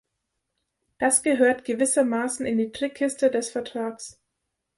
Das gehört gewissermaßen in die Trickkiste des Vertrags.